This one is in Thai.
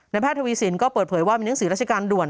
แพทย์ทวีสินก็เปิดเผยว่ามีหนังสือราชการด่วน